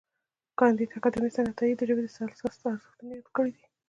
کانديد اکاډميسن عطايي د ژبې د سلاست ارزښت یادونه کړې ده.